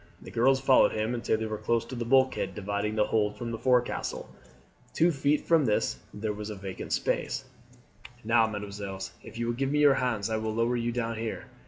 The girls followed him until they were close to the bulkhead dividing the hold from the forecastle. Two feet from this there was a vacant space. "Now, mesdemoiselles, if you will give me your hands I will lower you down here.